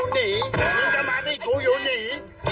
นี่จะมาด้วยกูยูนี